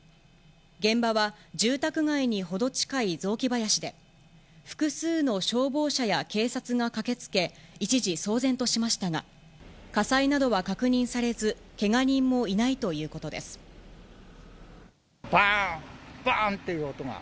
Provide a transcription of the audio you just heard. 現場は住宅街に程近い雑木林で、複数の消防車や警察が駆けつけ、一時騒然としましたが、火災などは確認されず、ばーん、ばーんっていう音が。